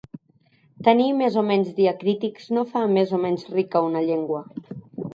Tenir més o menys diacrítics no fa més o menys rica una llengua.